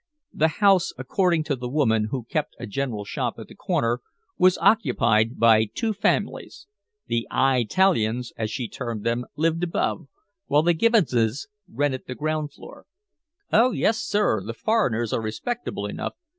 The house, according to the woman who kept a general shop at the corner, was occupied by two families. The "Eye talians," as she termed them, lived above, while the Gibbonses rented the ground floor. "Oh, yes, sir. The foreigners are respectable enough.